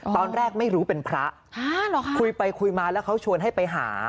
ตอนแรกไม่รู้เป็นพระคุยไปคุยมาแล้วเขาชวนให้ไปหา